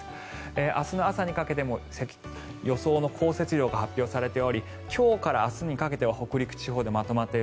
明日の朝にかけても予想の降雪量が発表されており今日から明日にかけては北陸地方でまとまった雪。